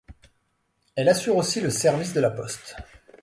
Elle assure aussi le service de la poste.